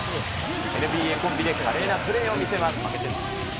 ＮＢＡコンビで華麗なプレーを見せます。